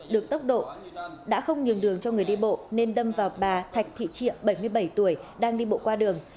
được tốc độ đã không nhường đường cho người đi bộ nên đâm vào bà thạch thị triệu bảy mươi bảy tuổi đang đi bộ qua đường